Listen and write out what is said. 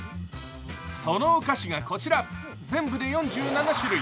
そのお菓子がこちら、全部で４７種類。